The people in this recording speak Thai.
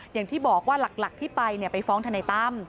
อย่างที่บอกว่าหลักที่ไปไปฟ้องทนายตั้ม